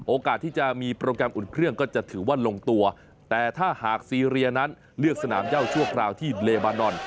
ที่จะมีโปรแกรมอุ่นเครื่องก็จะถือว่าลงตัวแต่ถ้าหากซีเรียนั้นเลือกสนามเย่าชั่วคราวที่เลบานอน